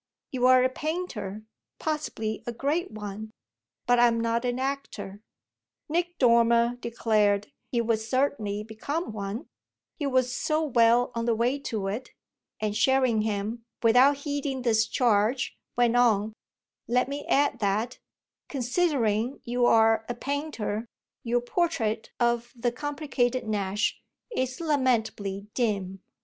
You're a painter, possibly a great one; but I'm not an actor." Nick Dormer declared he would certainly become one he was so well on the way to it; and Sherringham, without heeding this charge, went on: "Let me add that, considering you are a painter, your portrait of the complicated Nash is lamentably dim."